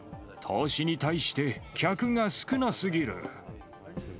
投資に対して客が少なすぎる。